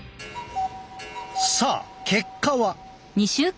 さあ結果は？